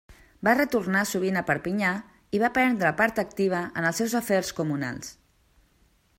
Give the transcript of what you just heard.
Va retornar sovint a Perpinyà i va prendre part activa en els seus afers comunals.